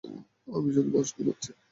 আমি শুধু প্রশ্নই করছি।